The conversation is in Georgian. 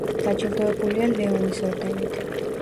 დაჯილდოებულია ლეონის ორდენით.